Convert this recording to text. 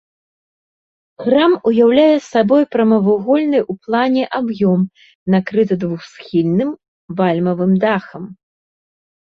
Храм уяўляе сабой прамавугольны ў плане аб'ём, накрыты двухсхільным вальмавым дахам.